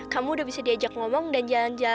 kamu udah bisa diajak ngomong dan jalan jalan